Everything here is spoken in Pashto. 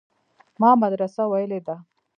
ما مدرسه ويلې ده.